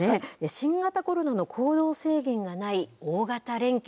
新型コロナの行動制限がない大型連休。